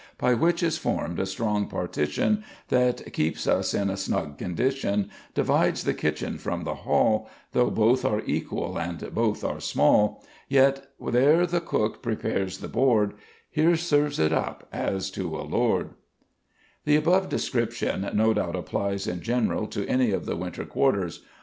By which is formed a strong partition That keep us in a snug condition; Divides the kitchen from the hall, Though both are equal and both are small, Yet there the cook prepares the board, Here serves it up as to a lord, The above description no doubt applies in general to any of the winter quarters.